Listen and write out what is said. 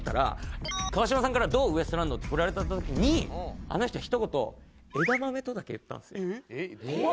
川島さんから「どう？ウエストランド」って振られた時にあの人ひと言「枝豆」とだけ言ったんですよ。